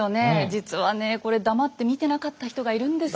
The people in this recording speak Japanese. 実はねこれ黙って見てなかった人がいるんですよ。